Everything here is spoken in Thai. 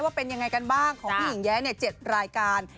ว่าเป็นยังไงกันบ้างของพี่หญิงแย้๗รายการ